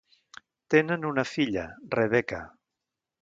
Tenen una filla, Rebecca.